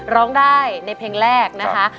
ร้องได้ในเพลงแรกนะคะ